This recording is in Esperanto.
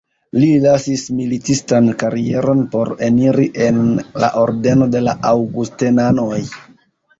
Li lasis militistan karieron por eniri en la ordeno de la Aŭgustenanoj.